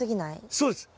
そうです。